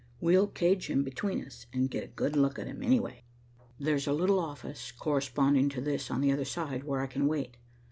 We'll cage him between us and get a good look at him, anyway. There's a little office corresponding to this on the other side, where I can wait.